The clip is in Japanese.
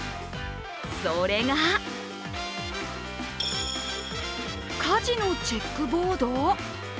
それが、家事のチェックボード？